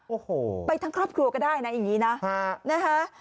โอ้โหไปทั้งครอบครัวก็ได้นะอย่างนี้นะนะฮะ